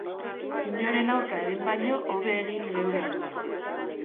Inoren aurka egin baino hobe egin geure alde.